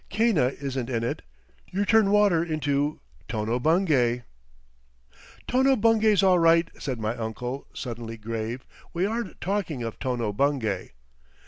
Cana isn't in it. You turn water—into Tono Bungay." "Tono Bungay's all right," said my uncle, suddenly grave. "We aren't talking of Tono Bungay."